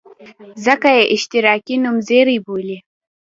ځکه یې اشتراکي نومځري بولي.